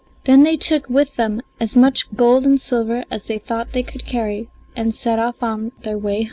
They then took with them as much gold and silver as they thought they could carry and set off on their way home.